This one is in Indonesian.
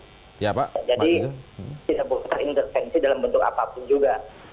jadi tidak perlu terintervensi dalam bentuk apapun juga